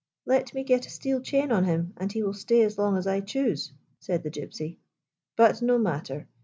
" Let me get a steel chain on him, and he will stay as long as I chose," said the Gypsy. " But no matter.